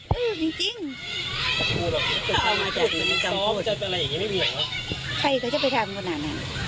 เขามาจากนี้กำพูดใครก็จะไปทำตรงนั้น